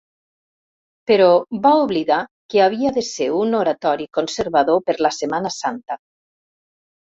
Però va oblidar que havia de ser un oratori conservador per la Setmana Santa.